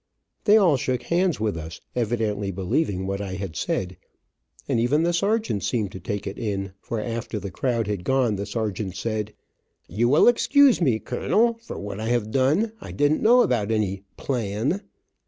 They all shook hands with us, evidently believing what I had said, and even the sergeant seemed to take it in, for, after the crowd had gone, the sergeant said, "You will excuse me, kernel, for what I have done. I didn't know about any 'plan.'